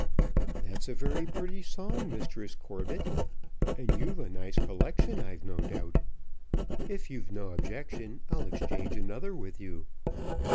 "That's a very pretty song, Mistress Corbett, and you've a nice collection, I've no doubt. If you've no objection, I'll exchange another with you."